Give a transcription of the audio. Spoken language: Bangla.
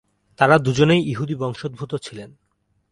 তারা দুজনেই ইহুদি বংশোদ্ভূত ছিলেন।